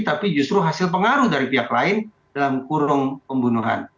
tapi justru hasil pengaruh dari pihak lain dalam kurung pembunuhan